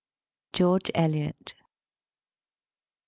GEORGE ELIOT. Mr.